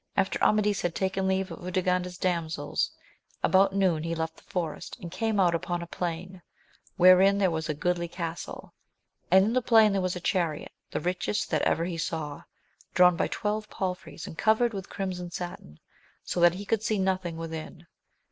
After Amadis had taken leave of Urganda's damsels, about noon he left the forest, and came out upon a plain, wherein there was a goodly castle, and in the plain there was a chariot, the richest that ever he saw, drawn by twelve palfreys, and covered with crimson sattin, so that he could see nothing within.